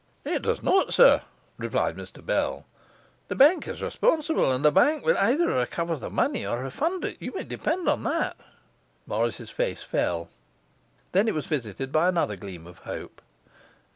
'It does not, sir,' replied Mr Bell; 'the bank is responsible, and the bank will either recover the money or refund it, you may depend on that.' Morris's face fell; then it was visited by another gleam of hope.